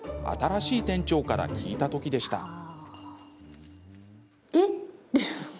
新しい店長から聞いたときでした。